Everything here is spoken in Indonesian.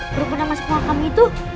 berupada mas pengakam itu